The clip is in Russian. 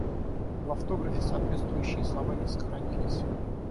В автографе соответствующие слова не сохранились.